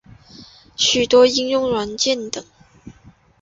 许多应用软件等。